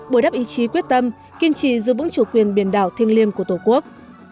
bồi đắp ý chí quyết tâm kiên trì giữ vững chủ quyền biển đảo thiêng liêng của tổ quốc